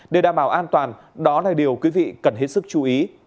để đảm bảo an toàn đó là điều quý vị cần hết sức chú ý